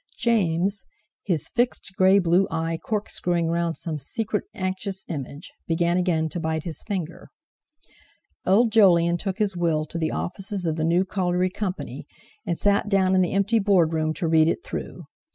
James, his fixed grey blue eye corkscrewing round some secret anxious image, began again to bite his finger. Old Jolyon took his Will to the offices of the New Colliery Company, and sat down in the empty Board Room to read it through.